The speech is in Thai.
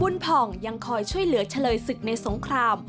ผ่องยังคอยช่วยเหลือเฉลยศึกในสงคราม